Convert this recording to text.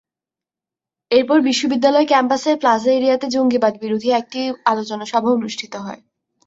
এরপর বিশ্ববিদ্যালয় ক্যাম্পাসের প্লাজা এরিয়াতে জঙ্গিবাদবিরোধী একটি আলোচনা সভা অনুষ্ঠিত হয়।